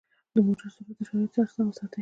د موټرو سرعت د شرایطو سره سم وساتئ.